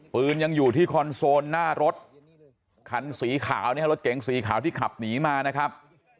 ปืนยังอยู่ที่คอนโซลหน้ารถคันสีขาวเนี่ยรถเก๋งสีขาวที่ขับหนีมานะครับ